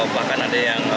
bahkan ada yang